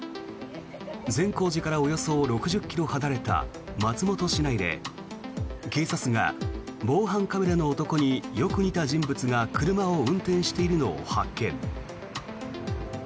善光寺からおよそ６０ｋｍ離れた松本市内で警察が防犯カメラの男によく似た人物が車を運転しているのを発見。